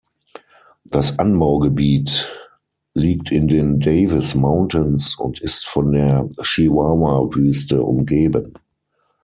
Das Anbaugebiet liegt in den Davis Mountains und ist von der Chihuahua-Wüste umgeben.